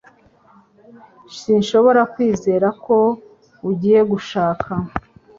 Sinshobora kwizera ko ugiye gushaka